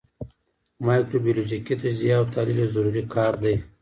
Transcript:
مایکروبیولوژیکي تجزیه او تحلیل یو ضروري کار دی.